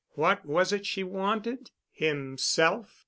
What was it she wanted? Himself?